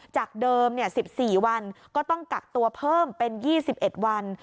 จากเดิม๑๔วันก็ต้องกักตัวเพิ่มเป็น๒๑วัน